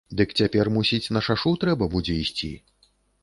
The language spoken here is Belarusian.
Дык цяпер, мусіць, на шашу трэба будзе ісці?